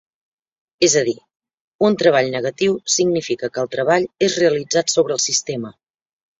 És a dir, un treball negatiu significa que el treball és realitzat sobre el sistema.